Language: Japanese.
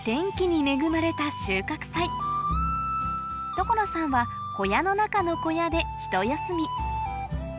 所さんは小屋の中の小屋でひと休み